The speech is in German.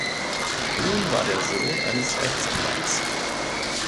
Kuhn war der Sohn eines Rechtsanwalts.